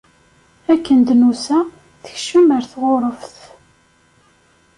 Akken d-nusa tekcem ar tɣurfet.